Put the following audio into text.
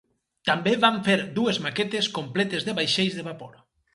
També van fer dues maquetes completes de vaixells de vapor.